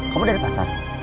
kamu dari pasar